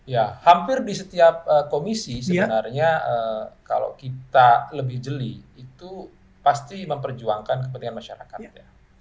ya hampir di setiap komisi sebenarnya kalau kita lebih jeli itu pasti memperjuangkan kepentingan masyarakatnya